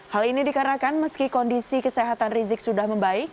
hal ini dikarenakan meski kondisi kesehatan rizik sudah membaik